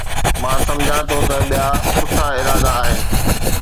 مان سمجهان ٿو ته ٻيا سٺا ارادا آهن